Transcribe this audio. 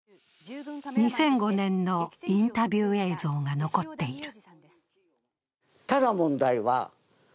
２００５年のインタビュー映像が残っている。